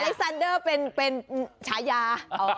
อเล็กซานเดอร์เป็นชายา